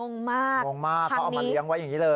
งงมาก